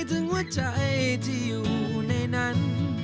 ถึงหัวใจที่อยู่ในนั้น